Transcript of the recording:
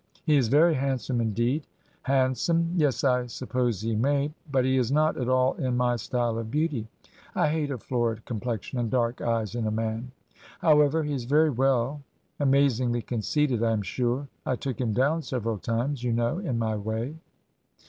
'He is very handsome indeed.' 'Hand some? Yes, I suppose he may ... But he is not at all in my style of beauty. I hate a florid complexion and dark eyes in a man. However, he is very well. Amazingly conceited, I am sure. I took him down, several times, you know, in my way.'